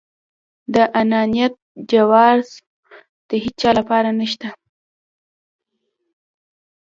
د انانيت جواز د هيچا لپاره نشته.